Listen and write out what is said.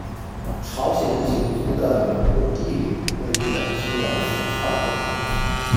朝鲜景宗的陵墓懿陵位于本区的石串洞。